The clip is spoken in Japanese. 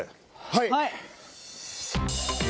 はい！